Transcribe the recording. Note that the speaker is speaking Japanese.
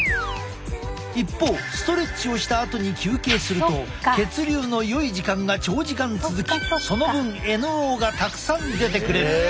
一方ストレッチをしたあとに休憩すると血流のよい時間が長時間続きその分ＮＯがたくさん出てくれる。